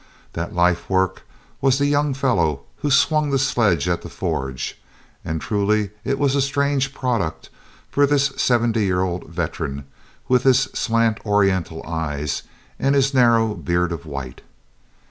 That life work was the young fellow who swung the sledge at the forge, and truly it was a strange product for this seventy year old veteran with his slant Oriental eyes and his narrow beard of white.